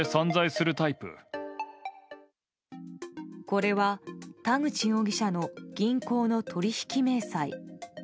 これは田口容疑者の銀行の取引明細。